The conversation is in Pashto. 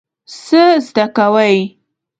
څه زده کوئ؟